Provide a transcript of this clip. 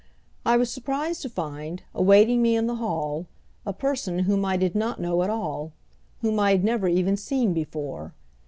I was surprised to find, awaiting me in the hall, a person whom I did not know at all whom I had never even seen before.